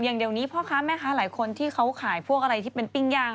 อย่างเดี๋ยวนี้พ่อค้าแม่ค้าหลายคนที่เขาขายพวกอะไรที่เป็นปิ้งย่าง